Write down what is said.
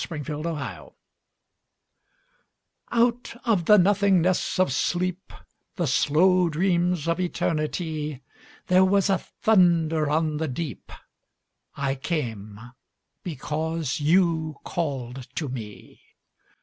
The Call Out of the nothingness of sleep, The slow dreams of Eternity, There was a thunder on the deep: I came, because you called to me.